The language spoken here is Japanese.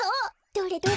どれどれ？